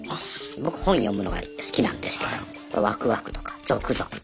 僕本を読むのが好きなんですけどワクワクとかゾクゾクとか。